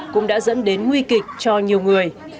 cũng đã dẫn đến nguy kịch cho nhiều người